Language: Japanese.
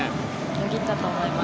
よぎったと思います。